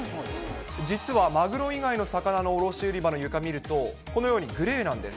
実は、マグロ以外の魚の卸売場の床見ると、このようにグレーなんです。